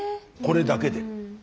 これだけで。